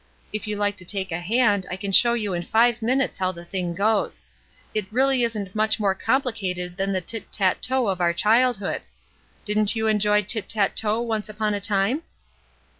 ''If you like to take a hand, I can show you in five minutes how the thing goes. It really isn't much more complicated than the Hit tat to' of our childhood. Didn't you enjoy Hit tat to' once upon a time?"